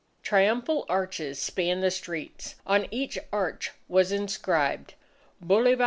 Triumphal arches spanned the streets. On each arch was inscribed: BOLIVAR!